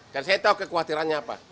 karena saya tahu kekhawatirannya apa